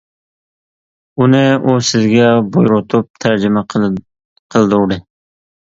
ئۇنى ئۇ سىزگە بۇيرۇتۇپ تەرجىمە قىلدۇردى.